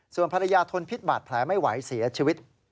ส่วนภรรยาทนพิษบาดแผลไม่ไหวเสียชีวิต